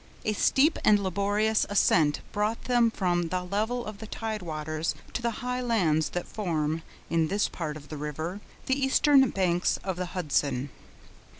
A steep and laborious ascent brought them from the level of the tidewaters to the high lands that form, in this part of the river, the eastern banks of the Hudson.